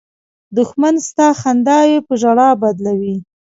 دښمن ستا خنداوې په ژړا بدلوي